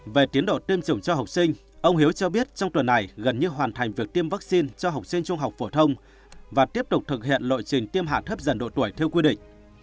về tiến độ tiêm chủng cho học sinh ông hiếu cho biết trong tuần này gần như hoàn thành việc tiêm vaccine cho học sinh trung học phổ thông và tiếp tục thực hiện lộ trình tiêm hạ thấp dần độ tuổi theo quy định